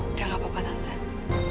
udah nggak apa apa tante